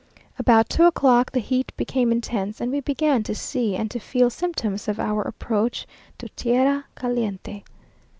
About two o'clock the heat became intense, and we began to see and to feel symptoms of our approach to tierra caliente.